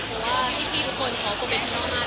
เพราะว่าพี่ทุกคนพอโปรเมชินัลมาก